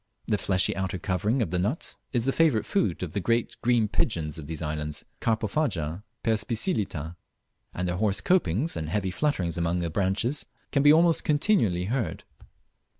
The fleshy outer covering of the nut is the favourite food of the great green pigeons of these islands (Carpophaga, perspicillata), and their hoarse copings and heavy flutterings among the branches can be almost continually heard.